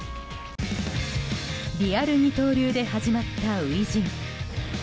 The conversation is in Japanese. リアル二刀流で始まった初陣。